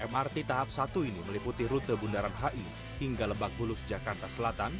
mrt tahap satu ini meliputi rute bundaran hi hingga lebak bulus jakarta selatan